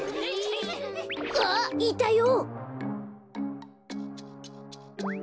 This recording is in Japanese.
あっいたよ！